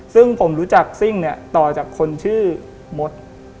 ซึ่งผมรู้จักซิ่งเนี่ยต่อจากคนชื่อมด